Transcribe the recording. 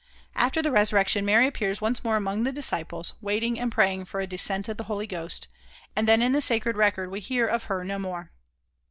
After the resurrection Mary appears once more among the disciples, waiting and praying for a descent of the Holy Ghost and then in the sacred record we hear of her no more.